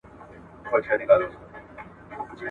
دا کتاب له انګلیسي څخه ژباړل سوی دی.